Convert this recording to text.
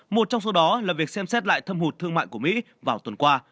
một trong số đó là việc xem xét lại thâm hụt thương mại của mỹ vào tuần qua